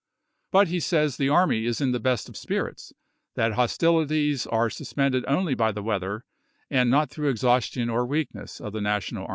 But he says the army is in the best of spirits, that hostilities are suspended only by the weather, and not through exhaustion or weakness of the National army.